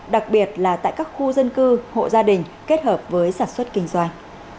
đặc biệt là tại các khu dân cư hộ gia đình kết hợp với sản xuất kinh doanh